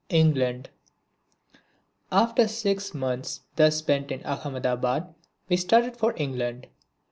(25) England After six months thus spent in Ahmedabad we started for England.